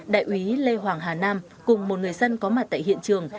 đại úy lê hoàng hà nam cùng một người dân có mặt tại hiện trường